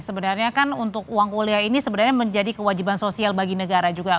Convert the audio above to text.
sebenarnya kan untuk uang kuliah ini sebenarnya menjadi kewajiban sosial bagi negara juga